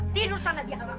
tidur sana di halaman